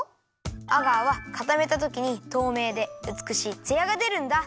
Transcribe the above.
アガーはかためたときにとうめいでうつくしいツヤがでるんだ。